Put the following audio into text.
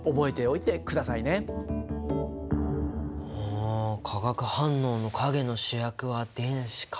あ化学反応の陰の主役は電子か。